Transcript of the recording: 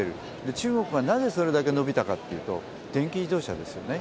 中国はなぜそれだけ伸びたかっていうと、電気自動車ですよね。